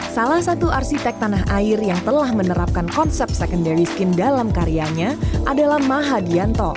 salah satu arsitek tanah air yang telah menerapkan konsep secondary skin dalam karyanya adalah maha dianto